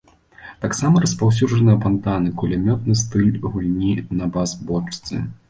Таксама распаўсюджаны апантаны, кулямётны стыль гульні на бас-бочцы.